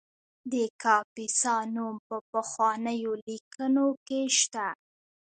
د کاپیسا نوم په پخوانیو لیکنو کې شته